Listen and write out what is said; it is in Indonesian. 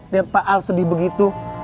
dan pak al sedih begitu